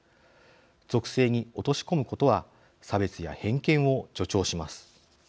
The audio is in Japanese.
属性に落とし込むことは差別や偏見を助長します。